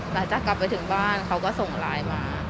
หลังจากกลับไปถึงบ้านเขาก็ส่งไลน์มา